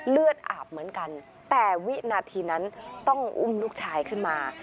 เลือดอาบเหมือนกันแต่วินาทีนั้นต้องอุ้มลูกชายขึ้นมา